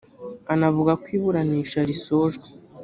anavuga ko iburanisha risojwe.